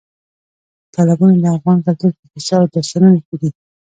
تالابونه د افغان کلتور په کیسو او داستانونو کې دي.